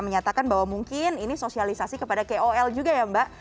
menyatakan bahwa mungkin ini sosialisasi kepada kol juga ya mbak